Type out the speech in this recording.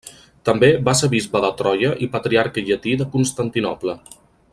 També va ser bisbe de Troia i Patriarca llatí de Constantinoble.